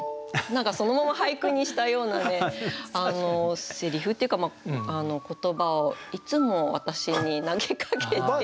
何かそのまま俳句にしたようなねせりふっていうか言葉をいつも私に投げかけていて。